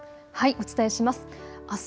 お伝えします。